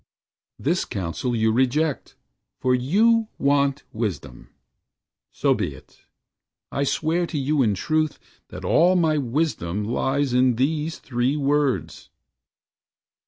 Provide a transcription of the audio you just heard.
This counsel you reject, for you want wisdom. So be it! I swear to you in truth That all my wisdom lies in these three words.